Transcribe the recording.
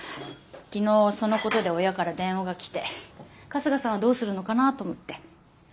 昨日そのことで親から電話が来て春日さんはどうするのかなあって思って。